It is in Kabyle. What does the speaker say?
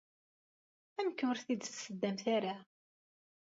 Amek ur t-id-tseddamt ara?